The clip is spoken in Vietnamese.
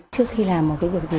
trước khi làm một việc gì